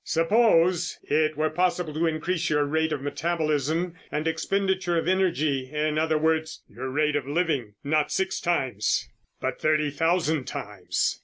Suppose it were possible to increase your rate of metabolism and expenditure of energy, in other words, your rate of living, not six times, but thirty thousand times.